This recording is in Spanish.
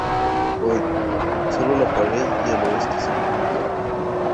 Hoy, sólo la pared del oeste sobrevive.